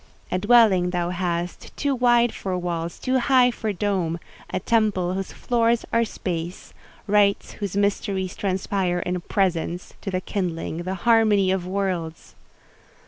A dwelling thou hast, too wide for walls, too high for dome—a temple whose floors are space—rites whose mysteries transpire in presence, to the kindling, the harmony of worlds!